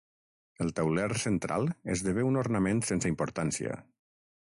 El tauler central esdevé un ornament sense importància.